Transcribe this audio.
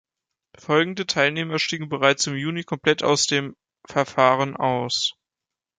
Folgende Teilnehmer stiegen bereits im Juni komplett aus dem Verfahren aus.